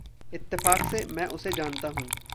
इत्तेफ़ाक से, मैं उसे जानता हूँ।